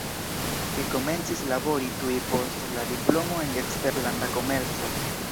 Li komencis labori tuj post la diplomo en eksterlanda komerco.